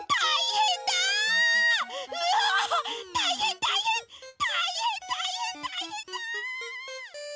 うわあったいへんたいへんたいへんたいへんたいへんだ！